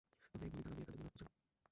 তবে এই বলিদান, আমি একা দেব না, পূজা।